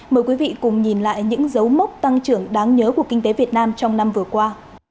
mời quý vị cùng nhìn lại những dấu mốc tăng trưởng đáng nhớ của kinh tế việt nam trong năm vừa qua